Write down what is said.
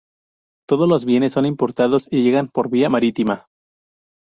Todos los bienes son importados y llegan por vía marítima.